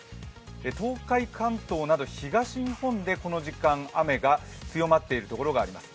東海、関東など東日本でこの時間雨が強まっている所があります。